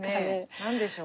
何でしょう？